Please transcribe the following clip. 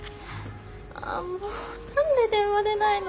ああもう何で電話出ないの。